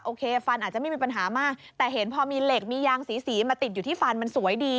ฟันอาจจะไม่มีปัญหามากแต่เห็นพอมีเหล็กมียางสีสีมาติดอยู่ที่ฟันมันสวยดี